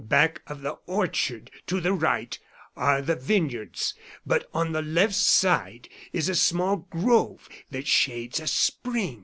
Back of the orchard, to the right, are the vineyards; but on the left side is a small grove that shades a spring."